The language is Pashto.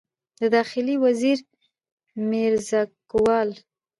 د داخلي وزیر میرزکوال